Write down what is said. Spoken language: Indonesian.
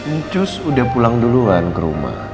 icus udah pulang duluan ke rumah